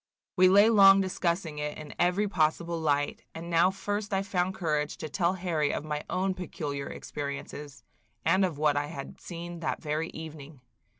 We lay long discussing it in every possible light, and now first I found courage to tell Harry of my own peculiar experiences, and of what I had seen that very evening.